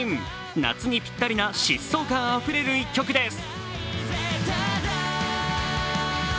夏にぴったりな疾走感あふれる一曲です。